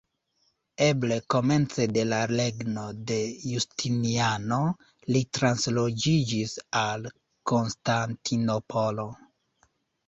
Eble komence de la regno de Justiniano li transloĝiĝis al Konstantinopolo.